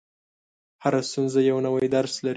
• هره ستونزه یو نوی درس لري.